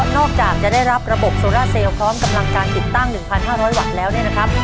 นอกจากจะได้รับระบบโซล่าเซลล์พร้อมกำลังการติดตั้ง๑๕๐๐วัตต์แล้วเนี่ยนะครับ